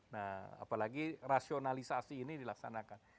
nah apalagi rasionalisasi ini dilaksanakan